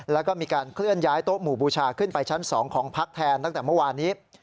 แล้วก็มีการเคลื่อนย้ายโต๊ะหมู่บูชาขึ้นไปชั้น๒ของพักแทนตั้งแต่เมื่อวานนี้